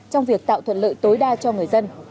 trong việc tạo thuận lợi tối đa cho người dân